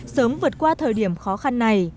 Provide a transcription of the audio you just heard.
sớm vượt qua thời điểm khó khăn này